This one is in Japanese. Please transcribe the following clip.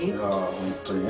本当にね